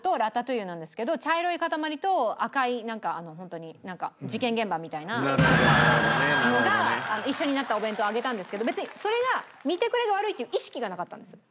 茶色い塊と赤いなんかホントに事件現場みたいなのが一緒になったお弁当をあげたんですけど別にそれが見てくれが悪いっていう意識がなかったんです。